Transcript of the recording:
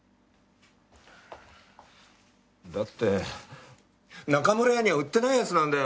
だって中村屋には売ってないやつなんだよ。